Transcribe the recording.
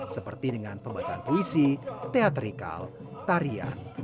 seperti dengan pembacaan puisi teatrikal tarian